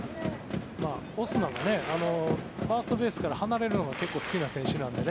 オスナがファーストベースから離れるのが結構好きな選手なので。